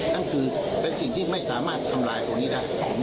นั่นคือเป็นสิ่งที่ไม่สามารถทำลายตัวนี้ได้